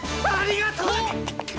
ありがとう！